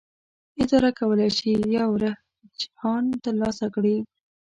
اداره کولی شي یو رجحان ترلاسه کړي.